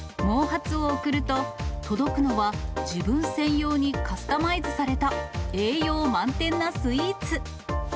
毛髪を送ると、届くのは、自分専用にカスタマイズされた栄養満点なスイーツ。